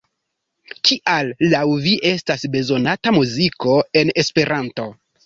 Kial laŭ vi estas bezonata muziko en Esperanto?